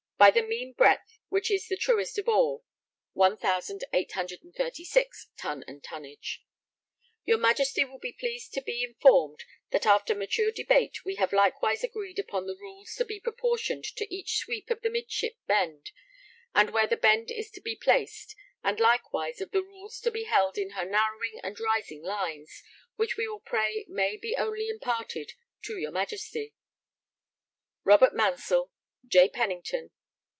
By the mean breadth, which is the truest of all 1836 Your Ma^{ty} will be pleased to be informed that after mature debate we have likewise agreed upon the rules to be proportioned to each sweep of the midship bend, and where the bend is to be placed, and likewise of the rules to be held in her narrowing and rising lines, which we all pray may be only imparted to your Ma^{ty}. ROBERT MANSELL. J. PENNINGTON.